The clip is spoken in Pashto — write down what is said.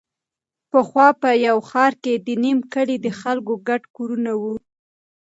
پخوا په یوه ښاره کې د نیم کلي د خلکو ګډ کورونه وو.